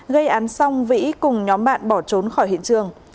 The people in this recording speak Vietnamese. gây án xong vĩ cùng nhóm bạn bỏ trốn khỏi hiện trường